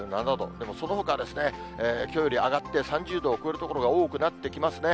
でもそのほかはきょうより上がって、３０度を超える所が多くなってきますね。